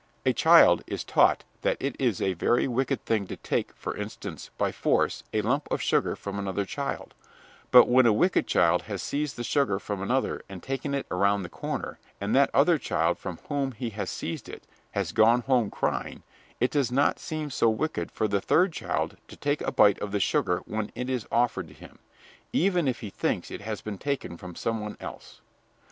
A child is taught that it is a very wicked thing to take, for instance, by force, a lump of sugar from another child; but when a wicked child has seized the sugar from another and taken it around the corner, and that other child from whom he has seized it has gone home crying, it does not seem so wicked for the third child to take a bite of the sugar when it is offered to him, even if he thinks it has been taken from some one else.